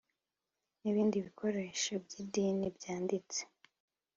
n ibindi bikoresho by idini byanditse